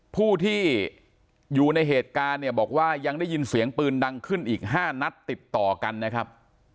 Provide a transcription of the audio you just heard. ผู้ที่อยู่ในเหตุการณ์เนี่ยบอกว่ายังได้ยินเสียงปืนดังขึ้นอีก๕นัดติดต่อกันนะครับ